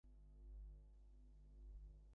পালানো প্রাণীগুলোর খোঁজ করছিলাম।